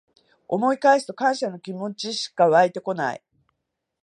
思い返すと感謝の気持ちしかわいてこない